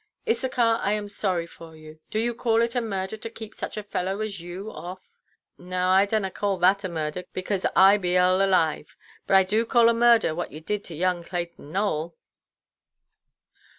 "Issachar, I am sorry for you. Do you call it a murder to keep such a fellow as you off?" "No, I dunna carl that a murder, because I be arl alive. But I do carl a murder what you did to young Clayton Nowell."